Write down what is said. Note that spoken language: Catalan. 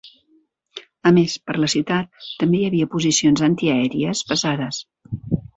A més, per la ciutat, també hi havia posicions antiaèries pesades.